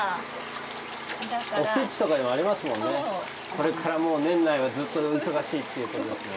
これからもう年内はずっと忙しいっていうことですね。